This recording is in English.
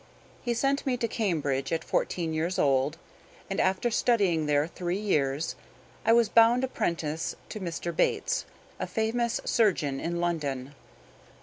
He sent me to Cambridge at fourteen years old, and after studying there three years I was bound apprentice to Mr. Bates, a famous surgeon in London.